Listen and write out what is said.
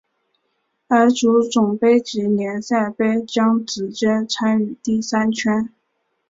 而足总杯及联赛杯将直接参与第三圈。